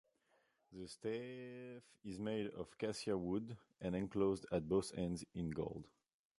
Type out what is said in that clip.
The staff is made of cassia wood and enclosed at both ends in gold.